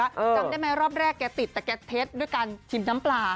จำได้ไหมรอบแรกแกติดแต่แกเท็จด้วยการชิมน้ำปลา